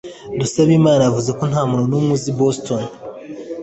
Dusabemana yavuze ko nta muntu n'umwe azi i Boston.